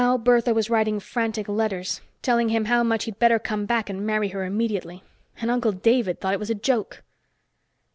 Now Bertha was writing frantic letters, telling him how much he'd better come back and marry her immediately. And Uncle David thought it was a joke!